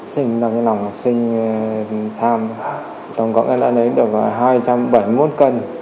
sinh vào cái lòng sinh tham đồng cộng em đã lấy được hai trăm bảy mươi một cân